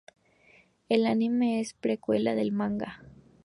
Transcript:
El anime es precuela del manga.